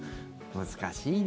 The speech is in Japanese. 難しいね。